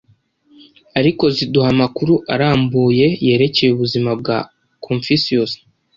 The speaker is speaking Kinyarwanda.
ariko ziduha amakuru arambuye yerekeye ubuzima bwa confucius.